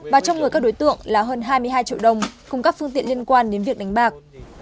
và trong người các đối tượng là hơn hai mươi hai triệu đồng cùng các phương tiện liên quan đến việc đánh bạc